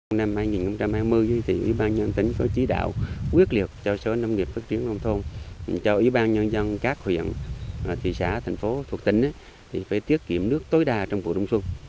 năm hai nghìn hai mươi ủy ban nhân dân tỉnh có trí đạo quyết liệt cho số nông nghiệp phát triển nông thôn cho ủy ban nhân dân các huyện thị xã thành phố thuộc tỉnh phải tiết kiệm nước tối đa trong vụ đông xuân